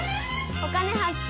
「お金発見」。